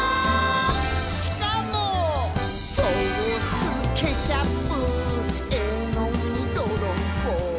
「しかも」「ソースケチャップ絵の具にどろんこ」